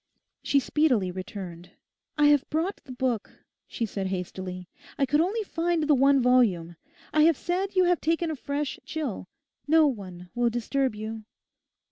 She speedily returned. 'I have brought the book.' she said hastily. 'I could only find the one volume. I have said you have taken a fresh chill. No one will disturb you.